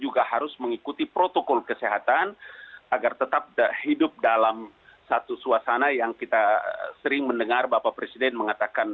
juga harus mengikuti protokol kesehatan agar tetap hidup dalam satu suasana yang kita sering mendengar bapak presiden mengatakan